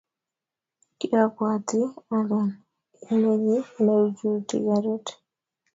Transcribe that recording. Kiobwati alen imenyi neichuti garit